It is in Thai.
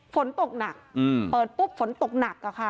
ฝนตกหนักเปิดปุ๊บฝนตกหนักอะค่ะ